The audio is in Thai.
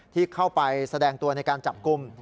ที่เข้าไปแสดงตัวในการจับกลุ่ม